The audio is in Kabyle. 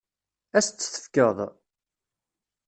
Ad as-tt-tefkeḍ?